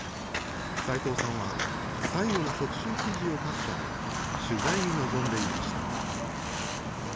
齋藤さんは最後の特集記事を書くため取材に臨んでいました。